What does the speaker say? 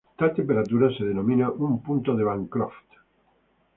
Tal temperatura se denomina un "punto de Bancroft".